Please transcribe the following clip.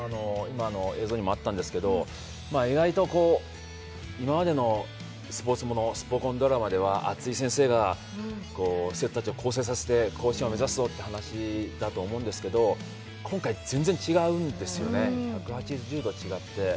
映像にもあったんですけど、意外と今までのスポーツもの、スポ根ドラマでは熱い先生が生徒たちを更生させて甲子園目指すぞという話だと思うんですけど今回、全然違うんですよね、１８０度違って。